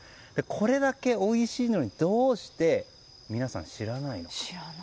これだけおいしいのにどうして皆さん、知らないのか。